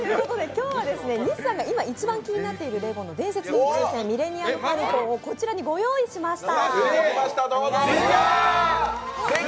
今日は西さんが今、一番気になっているレゴ、伝説の宇宙船ミレニアム・ファルコンをこちらにご用意しました。